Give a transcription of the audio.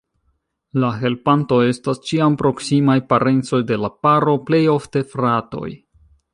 La helpantoj estas ĉiam proksimaj parencoj de la paro, plej ofte fratoj.